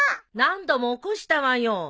何度も起こしたわよ！